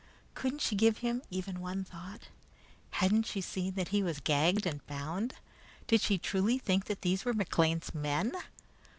Couldn't she give him even one thought? Hadn't she seen that he was gagged and bound? Did she truly think that these were McLean's men?